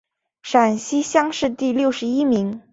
陕西乡试第六十一名。